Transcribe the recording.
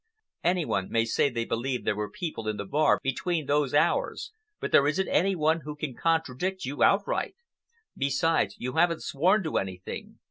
Any one may say they believe there were people in the bar between those hours, but there isn't any one who can contradict you outright. Besides, you haven't sworn to anything.